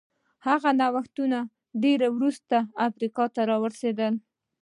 هغه نوښتونه ډېر وروسته افریقا ته ورسېدل.